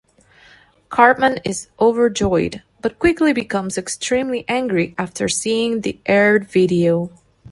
Cartman is overjoyed, but quickly becomes extremely angry after seeing the aired video.